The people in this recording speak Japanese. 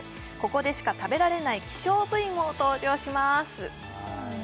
ここでしか食べられない希少部位も登場します